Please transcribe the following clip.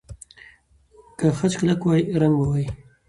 که خج کلک وای، رنګ به وای.